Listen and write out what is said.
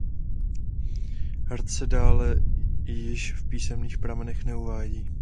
Hrad se dále již v písemných pramenech neuvádí.